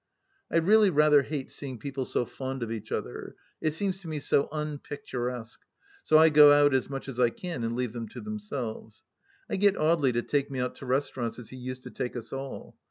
I really rather hate seeing people so fond of each other — it seems to me so unpicturesque — so I go out aa much as I can, and leave them to themselves. I get Audely to take me out to restaurants as he used to take us all.